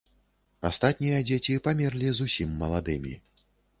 Астатнія дзеці памерлі зусім маладымі.